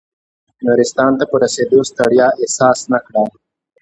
نورستان ته په رسېدو ستړیا احساس نه کړه.